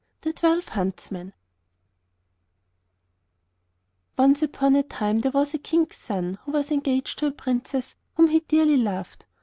THE TWELVE HUNTSMEN Once upon a time there was a King's son who was engaged to a Princess whom he dearly loved.